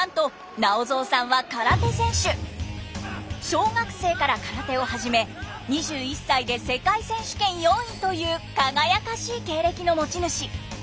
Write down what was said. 小学生から空手を始め２１歳で世界選手権４位という輝かしい経歴の持ち主。